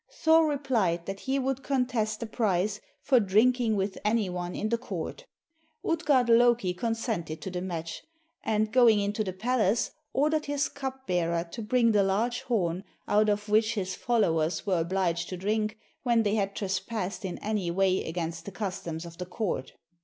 Thor replied that he would contest the prize for drinking with any one in the court. Utgard Loki consented to the match, and going into the palace, ordered his cup bearer to bring the large horn out of which his followers were obliged to drink when they had trespassed in any way against the customs of the court.